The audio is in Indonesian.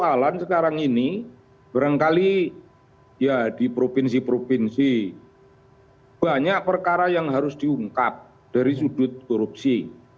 karena persoalan sekarang ini barangkali ya di provinsi provinsi banyak perkara yang harus diungkap dari sudut korupsi